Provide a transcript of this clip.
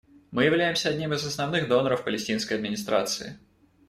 Мы являемся одним из основных доноров Палестинской администрации.